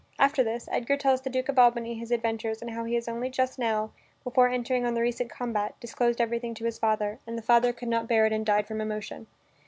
After this Edgar tells the Duke of Albany his adventures and how he has only just now, before entering on the recent combat, disclosed everything to his father, and the father could not bear it and died from emotion.